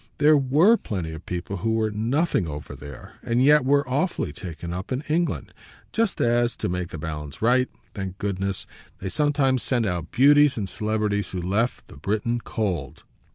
There WERE plenty of people who were nothing over there and yet were awfully taken up in England; just as to make the balance right, thank goodness they sometimes sent out beauties and celebrities who left the Briton cold.